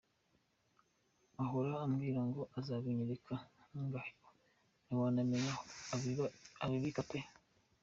Ahora ambwira ngo azabinyereka ngaheba, ntiwanamenya aho abibika pe.